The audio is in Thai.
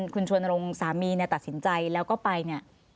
คุณชวนรงค์สามีเนี่ยตัดสินใจแล้วก็ไปเนี่ย